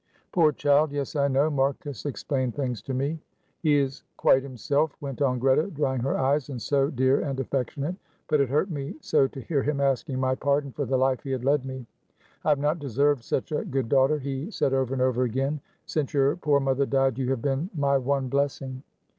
"Poor child. Yes, I know; Marcus explained things to me." "He is quite himself," went on Greta, drying her eyes. "And so dear and affectionate, but it hurt me so to hear him asking my pardon for the life he had led me. 'I have not deserved such a good daughter,' he said over and over again. 'Since your poor mother died you have been my one blessing.'"